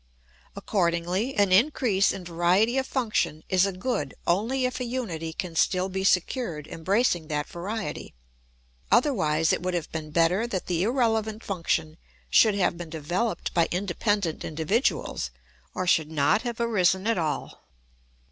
Accordingly, an increase in variety of function is a good only if a unity can still be secured embracing that variety; otherwise it would have been better that the irrelevant function should have been developed by independent individuals or should not have arisen at all.